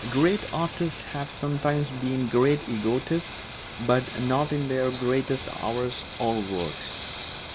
Great artists have sometimes been great egotists, but not in their greatest hours or works.